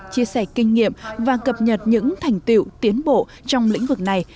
chia sẻ kinh nghiệm và cập nhật những thành tiệu tiến bộ trong lĩnh vực này